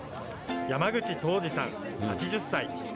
山口東司さん８０歳。